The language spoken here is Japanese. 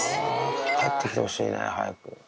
帰ってきてほしいね、早く。